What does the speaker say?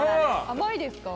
甘いですか？